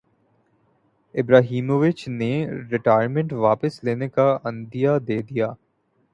Ibrahimovic نے retirement واپس لینے کا عندیہ دیدیا